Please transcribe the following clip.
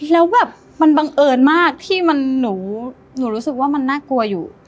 แล้วแบบมันบังเอิญมากที่หนูรู้สึกว่ามันน่ากลัวอยู่